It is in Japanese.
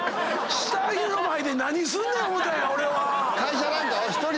死体の前で何すんねん⁉思ったんや俺は！